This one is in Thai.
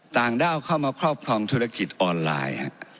ต่างด้าวเข้ามาครอบครองธุรกิจออนไลน์